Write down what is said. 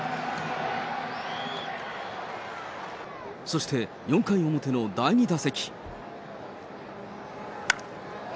そして４回表の第２打席。